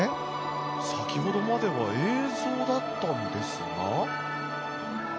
先ほどまでは映像だったんですが。